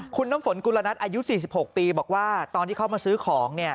คุณน้ำฝนกุลนัทอายุ๔๖ปีบอกว่าตอนที่เขามาซื้อของ